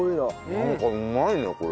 なんかうまいねこれ。